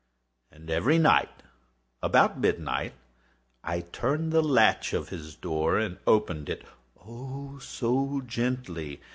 And every night, about midnight, I turned the latch of his door and opened it—oh, so gently!